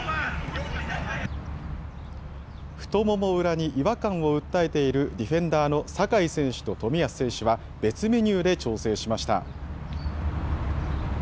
太もも裏に違和感を訴えているディフェンダーの酒井選手と冨安選手は別メニューで調整しました。